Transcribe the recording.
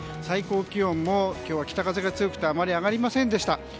最高気温も今日は北風が強くてあまり上がりませんでした。